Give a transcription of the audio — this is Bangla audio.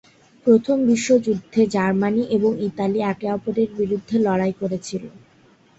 প্রথম বিশ্বযুদ্ধে জার্মানি এবং ইতালি একে অপরের বিরুদ্ধে লড়াই করেছিল।